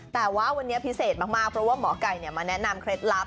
แต่ว่าวันนี้พิเศษมากเพราะว่าหมอไก่มาแนะนำเคล็ดลับ